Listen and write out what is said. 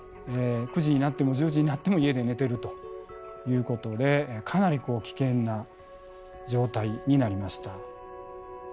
９時になっても１０時になっても家で寝てるということでかなり危険な状態になりました。